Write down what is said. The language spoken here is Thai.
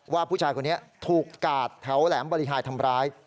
ว่าผู้ชายคนนี้ถูกกาดแถวแหลมบริหายทำร้าย